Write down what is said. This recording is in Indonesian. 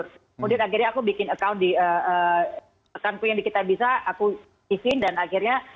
kemudian akhirnya aku bikin akun di kitabisa aku isin dan akhirnya